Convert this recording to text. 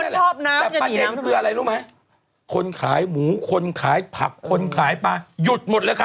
บ้ามันชอบน้ำจะหนีน้ำขึ้นมาแต่ประเทศมันคืออะไรรู้ไหมคนขายหมูคนขายผักคนขายปลาหยุดหมดเลยค่ะ